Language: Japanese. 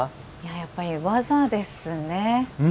やっぱり、技ですね。